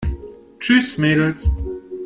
Tschüss, Mädels!